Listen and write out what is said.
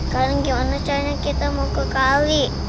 kadang gimana caranya kita mau ke kali